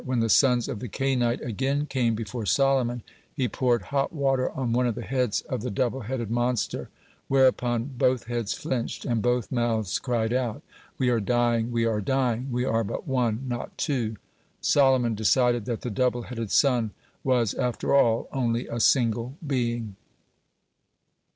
When the sons of the Cainite again came before Solomon, he poured hot water on one of the heads of the double headed monster, whereupon both heads flinched, and both mouths cried out: "We are dying, we are dying! We are but one, not two." Solomon decided that the double headed son was after all only a single being.